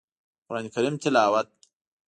د قران کريم تلاوت